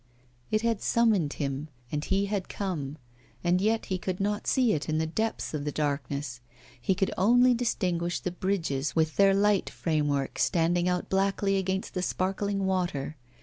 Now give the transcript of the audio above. It had summoned him, and he had come, and yet he could not see it in the depths of the darkness. He could only distinguish the bridges, with their light framework standing out blackly against the sparkling water.